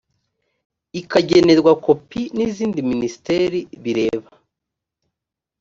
ikagenerwa kopi n izindi minisiteri bireba